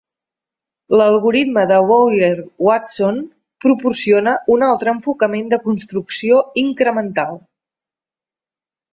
L'algoritme de Bowyer-Watson proporciona un altre enfocament de construcció incremental.